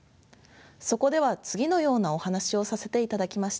そこでは次のようなお話をさせていただきました。